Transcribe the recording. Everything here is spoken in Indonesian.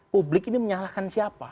publik ini menyalahkan siapa